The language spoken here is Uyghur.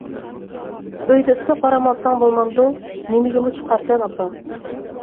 ئۆيدە ئىسسىق ئارام ئالساڭ بولمامدۇ؟ نېمىگىمۇ چىقارسەن ئاپا؟ !